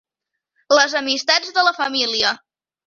Les amistats de la família.